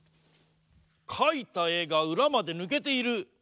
かいたえがうらまでぬけている。